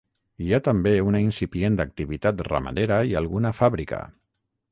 Hi ha també una incipient activitat ramadera i alguna fàbrica.